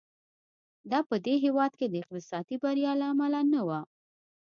دا په دې هېواد کې د اقتصادي بریا له امله نه و.